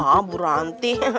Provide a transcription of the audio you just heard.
ah bu ranti